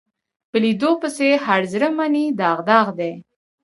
په لیدو پسې هر زړه منې داغ داغ دی